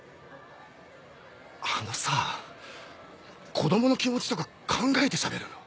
あのさ子供の気持ちとか考えてしゃべれよ。